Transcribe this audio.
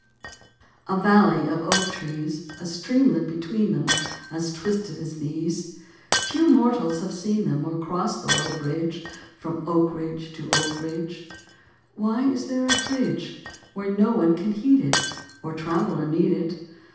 67 A VALLEY of oak trees, A streamlet between them As twisted as these ; Few mortals have seen them, Or crossed the low bridge From oak ridge to oak ridge. Why is there a bridge Where no one can heed it. Or traveller need it.